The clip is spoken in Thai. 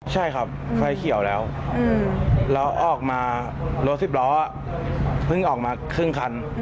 ใช่ครับไฟเขียวแล้วแล้วออกมารถสิบล้อเพิ่งออกมาครึ่งคัน